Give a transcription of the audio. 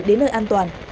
đến nơi an toàn